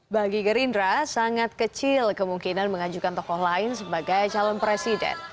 bagi gerindra sangat kecil kemungkinan mengajukan tokoh lain sebagai calon presiden